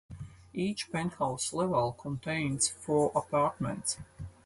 Each penthouse level contains four apartments.